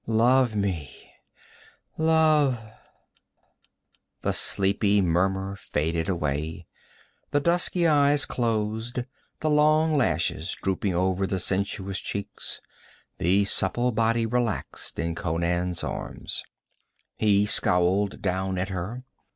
'Love me love ' The sleepy murmur faded away; the dusky eyes closed, the long lashes drooping over the sensuous cheeks; the supple body relaxed in Conan's arms. He scowled down at her.